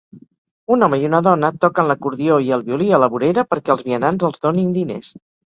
Un home i una dona toquen l'acordió i el violí a la vorera perquè els vianants els donin diners.